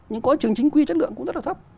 nhưng có trường chính quy chất lượng cũng rất là thấp